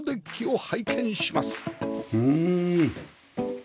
うん。